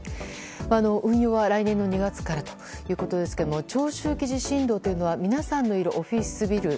運用は来年２月からということですが長周期地震動というのは皆さんのいるオフィスビル